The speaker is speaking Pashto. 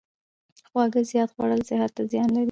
خواږه زیات خوړل صحت ته زیان لري.